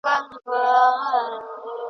ښکلې لکه ښاخ د شګوفې پر مځکه ګرځي !.